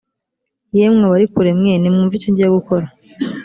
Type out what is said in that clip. yemwe abari kure mwe nimwumve icyo ngiye gukora